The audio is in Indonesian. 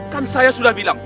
kan saya sudah bilang